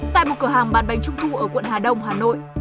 tại một cửa hàng bán bánh trung thu ở quận hà đông hà nội